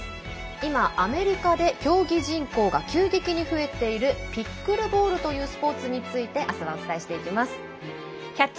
今、アメリカで競技人口が急激に増えているピックルボールというスポーツについて「キャッチ！